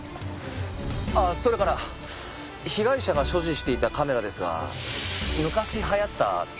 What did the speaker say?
ああそれから被害者が所持していたカメラですが昔流行った「撮れルン君」だったそうです。